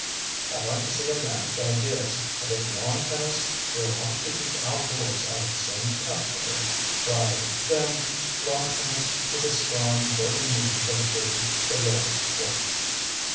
"I like to see a man with ideas, and if lawn tennis will help to keep our boys out of sin's pathway, why, then, lawn tennis is a strong, worthy means of doing the Lord's work."